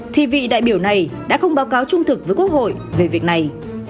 thì vị đại biểu này đã không báo cáo trung thực với quốc hội về việc này